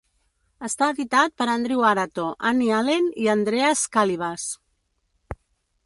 Està editat per Andrew Arato, Amy Allen i Andreas Kalyvas.